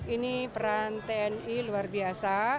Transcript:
ini peran tni luar biasa